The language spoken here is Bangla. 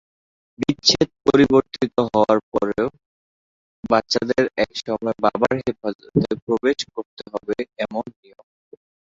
বিচ্ছেদ পরিবর্তিত হওয়ার পরে বাচ্চাদের সবসময় বাবার হেফাজতে প্রবেশ করতে হবে এমন নিয়ম।